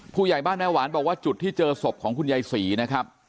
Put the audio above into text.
ผู้ใหญ่บ้านแม่หวานบอกว่าจุดที่เจอศพของคุณยายศรีนะครับ